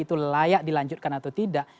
itu layak dilanjutkan atau tidak